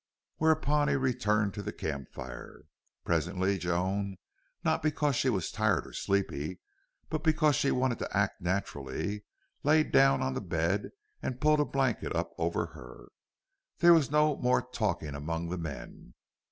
Whereupon he returned to the camp fire. Presently Joan, not because she was tired or sleepy, but because she wanted to act naturally, lay down on the bed and pulled a blanket up over her. There was no more talking among the men.